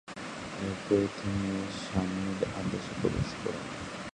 এরপর তিনি স্বামীর আদেশে প্রবেশ করেন।